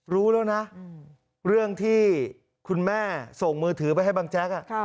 รู้แล้วนะเรื่องที่คุณแม่ส่งมือถือไปให้บังแจ๊ก